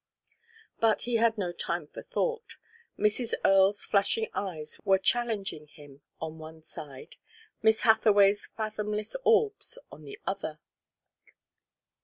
But he had no time for thought. Mrs. Earle's flashing eyes were challenging him on one side, Miss Hathaway's fathomless orbs on the other.